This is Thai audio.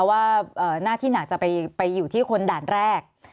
ว่าหน้าที่หนักจะไปอยู่ที่คนด่านแรก